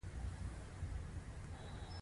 دا په معاصر اسلامي فکر کې ګډوډۍ سبب شو.